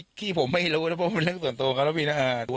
จิ๊กที่ผมไม่รู้นั่นประมาณเรื่องส่วนตัวแล้ว